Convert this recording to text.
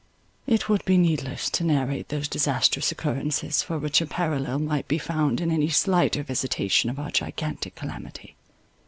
It would be needless to narrate those disastrous occurrences, for which a parallel might be found in any slighter visitation of our gigantic calamity.